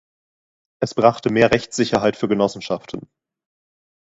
Es brachte mehr Rechtssicherheit für Genossenschaften.